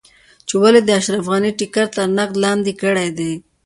چې ولې دې د اشرف غني ټکټ تر نقد لاندې کړی دی.